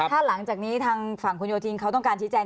ถ้าหลังจากนี้ทางฝั่งคุณโยธินเขาต้องการชี้แจง